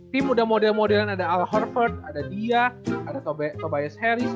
tim udah model modelan ada al horford ada dia ada tobias harris